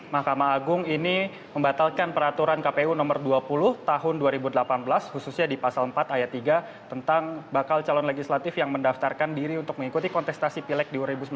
mahkamah agung ini membatalkan peraturan kpu nomor dua puluh tahun dua ribu delapan belas khususnya di pasal empat ayat tiga tentang bakal calon legislatif yang mendaftarkan diri untuk mengikuti kontestasi pilek dua ribu sembilan belas